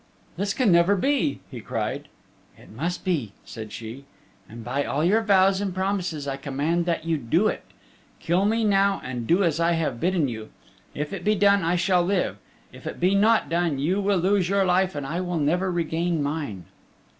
"This can never be," he cried. "It must be," said she, "and by all your vows and promises I command that you do it. Kill me now and do as I have bidden you. If it be done I shall live. If it be not done you will lose your life and I will never regain mine."